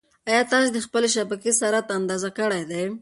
ایا تاسي د خپلې شبکې سرعت اندازه کړی دی؟